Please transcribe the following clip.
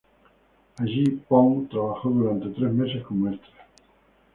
Allí, Pawn trabajó durante tres meses como extra.